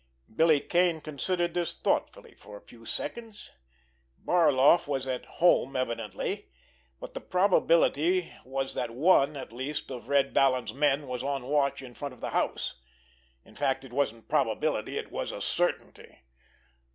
Billy Kane considered this thoughtfully for a few seconds. Barloff was at home evidently, but the probability was that one, at least, of Red Vallon's men was on watch in front of the house. In fact, it wasn't probability; it was a certainty.